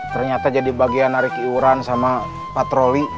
ternyata jadi bagian narik iuran sama patroli